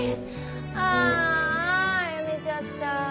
ああやめちゃった。